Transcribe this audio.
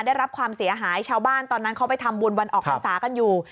ได้รับความเสียหายชาวบ้านตอนนั้นเขาไปทำบุญวันออกพรรษากันอยู่